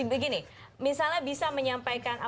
begini misalnya bisa menyampaikan apa ya